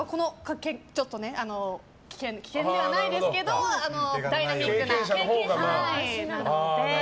危険ではないですけどダイナミックになるので。